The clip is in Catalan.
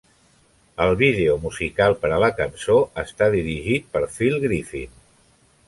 El vídeo musical per a la cançó està dirigit per Phil Griffin.